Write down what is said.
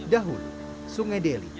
dahulu sungai deli